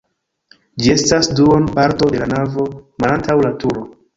Ĝi estas duona parto de la navo malantaŭ la turo.